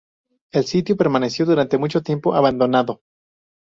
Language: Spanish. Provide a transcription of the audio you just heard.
El sitio permaneció durante mucho tiempo abandonado.